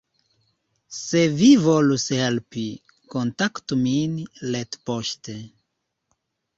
Se vi volus helpi, kontaktu min retpoŝte!